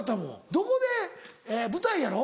どこで舞台やろ？